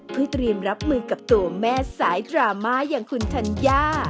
เพื่อเตรียมรับมือกับตัวแม่สายดราม่าอย่างคุณธัญญา